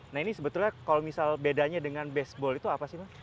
nah ini sebetulnya kalau misal bedanya dengan baseball itu apa sih mas